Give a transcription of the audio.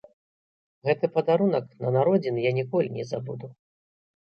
Гэты падарунак на народзіны я ніколі не забуду.